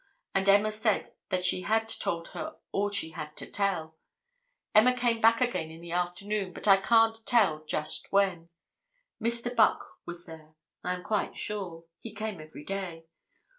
and Emma said she had told her all she had to tell; Emma came back again in the afternoon, but I can't tell just when; Mr. Buck was there, I am quite sure; he came every day.